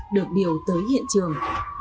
được điều tới hiện trường